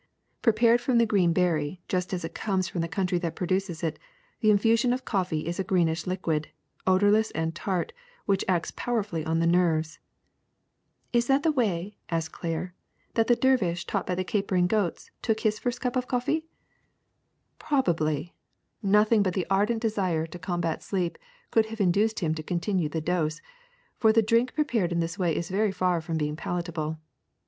*' Prepared from the green berry just as it comes from the country that produces it, the infusion of coffee is a greenish liquid, odorless and tart, which acts powerfully on the nerves." Is that the way," asked Claire, ^Hhat the dervish, taught by the capering of the goats, took his first cup of coffee?" 178 THE SECRET OF EVERYDAY THINGS *^ Probably. Nothing but the ardent desire to com bat sleep could have induced him to continue the dose, for the drink prepared in this way is very far from being palatable.